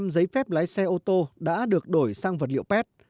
chín mươi giấy phép lái xe ô tô đã được đổi sang vật liệu pet